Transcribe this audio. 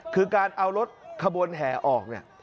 คือการเอารถขบวนแห่ออก